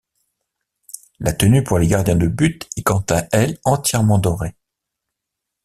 La tenue pour les gardiens de but est quant à elle entièrement dorée.